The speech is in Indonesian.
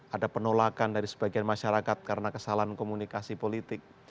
ada penolakan dari sebagian masyarakat karena kesalahan komunikasi politik